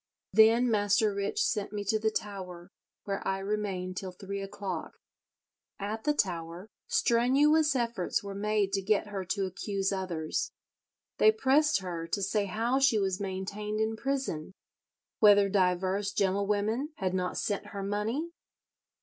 ... Then Master Rich sent me to the Tower, where I remained till three o'clock." At the Tower strenuous efforts were made to get her to accuse others. They pressed her to say how she was maintained in prison; whether divers gentlewomen had not sent her money.